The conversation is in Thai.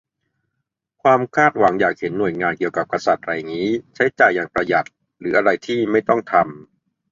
ความคาดหวังอยากเห็นหน่วยงานเกี่ยวกับกษัตริย์ไรงี้ใช้จ่ายอย่างประหยัด หรืออะไรที่ไม่ต้องทำ